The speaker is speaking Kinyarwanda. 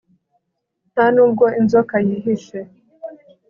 Nta nubwo inzoka yihishe